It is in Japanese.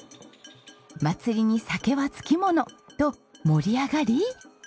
「祭りに酒はつきもの！」と盛り上がり。